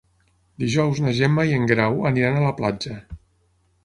Dijous na Gemma i en Guerau aniran a la platja.